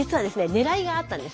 ねらいがあったんです